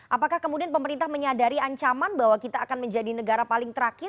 apakah kemudian pemerintah menyadari ancaman bahwa kita akan menjadi negara paling terakhir